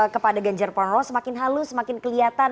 kepada ganjar pranowo semakin halus semakin kelihatan